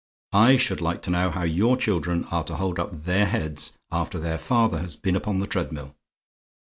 I should like to know how your children are to hold up their heads, after their father has been upon the treadmill?